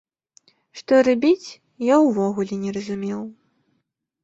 Што рабіць, я ўвогуле не разумеў.